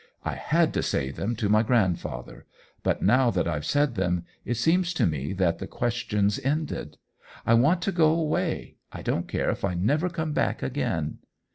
I had to say them to my grandfather; but now that IVe said them, it seems to me that the question's ended. I want to go away — I don't care if I never come back again."